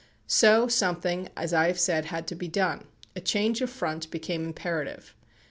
So something, as I have said, had to be done. A change of front became imperative.